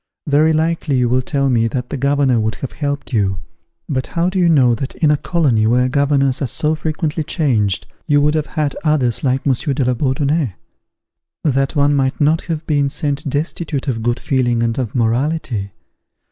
"Very likely you will tell me that the governor would have helped you; but how do you know that in a colony where governors are so frequently changed, you would have had others like Monsieur de la Bourdonnais? that one might not have been sent destitute of good feeling and of morality?